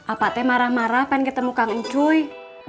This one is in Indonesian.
apakah marah marah mau ketemu kang ucuy